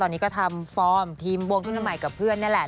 ตอนนี้ก็ทำฟอร์มทีมฟอร์มวงขึ้นใหม่กับเพื่อนแหละ